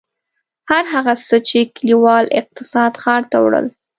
هر هغه څه چې کلیوال اقتصاد ښار ته وړل.